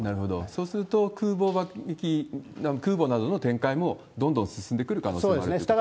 そうすると空母などの展開も、どんどん進んでくる可能性もあるということですか。